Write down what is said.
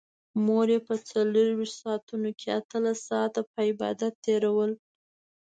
مور يې په څلرويشت ساعتونو کې اتلس ساعته په عبادت تېرول.